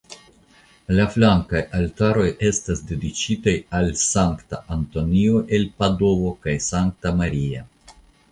La flankaj altaroj estas dediĉitaj al Sankta Antonio el Padovo kaj Sankta Maria.